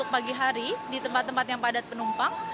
pagi hari di tempat tempat yang padat penumpang